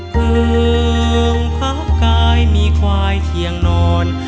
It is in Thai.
เพลิงพักกายมีควายเพียงนอน